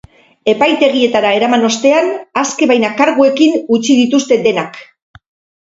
Epaitegietara eraman ostean, aske baina karguekin utzi dituzte denak.